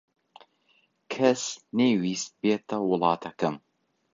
کەس نەیویست بێتە وڵاتەکەم.